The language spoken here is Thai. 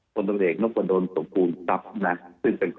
สนุนโดยน้ำดื่มสิง